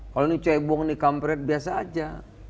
kalau ini cebong nih kampret biasa aja